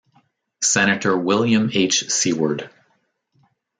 Senator William H. Seward.